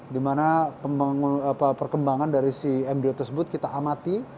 karena perkembangan dari si embryo tersebut kita amati